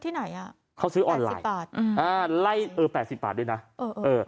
ที่ไหนอ่ะเขาซื้อออนไลน์สิบบาทอ่าไล่เออแปดสิบบาทด้วยนะเออเออ